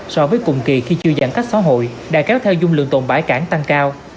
so với cùng kỳ khi chưa giãn cách xã hội đã kéo theo dung lượng tồn bãi cảng tăng cao